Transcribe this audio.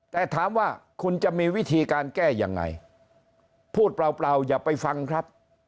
แต่ถามว่าคุณจะมีวิธีการแก้ยังไงพูดเปล่าอย่าไปฟังครับ